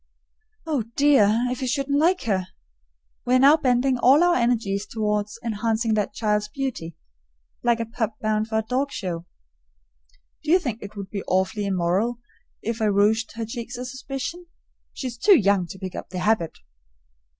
Oh dear, if he shouldn't like her! We are now bending all our energies toward enhancing that child's beauty like a pup bound for the dog show. Do you think it would be awfully immoral if I rouged her cheeks a suspicion? She is too young to pick up the habit.